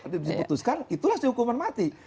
diputuskan itulah sehukuman mati